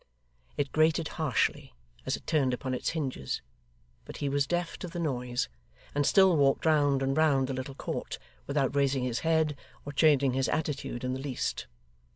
It grated harshly as it turned upon its hinges, but he was deaf to the noise, and still walked round and round the little court, without raising his head or changing his attitude in the least.